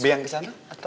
bi yang kesana atau